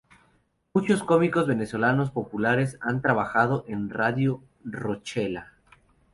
Muchos cómicos venezolanos populares han trabajado en Radio Rochela.